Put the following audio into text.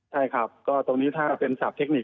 ใช่ครับก็ตรงนี้ถ้าเป็นศัพทเทคนิค